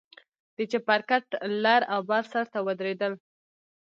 د چپرکټ لر او بر سر ته ودرېدل.